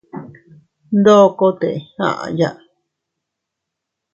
Ndokote aʼya.